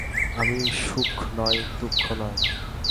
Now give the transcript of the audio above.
আমি সুখ নই, দুঃখ নই।